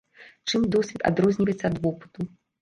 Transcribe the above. Чым досвед адрозніваецца да вопыту?